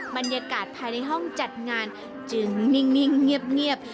บรรยากาศภายในห้องจัดงานจึงนิ่งเงียบ